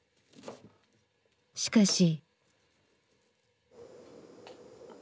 しかし。